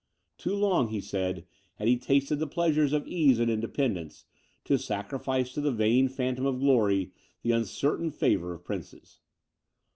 Too long, he said, had he tasted the pleasures of ease and independence, to sacrifice to the vain phantom of glory, the uncertain favour of princes.